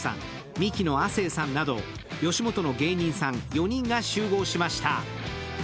ミキの亜生さんなど吉本の芸人さん４人が集合しました。